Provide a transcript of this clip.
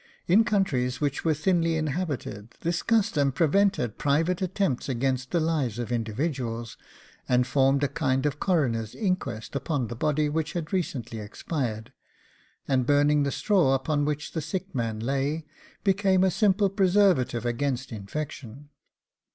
In countries which were thinly inhabited, this custom prevented private attempts against the lives of individuals, and formed a kind of coroner's inquest upon the body which had recently expired, and burning the straw upon which the sick man lay became a simple preservative against infection.